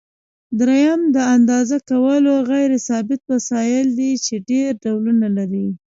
دریم د اندازه کولو غیر ثابت وسایل دي چې ډېر ډولونه لري.